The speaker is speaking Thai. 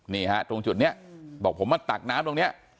นี่ฮะตรงจุดนี้บอกผมมาตักน้ำตรงนี้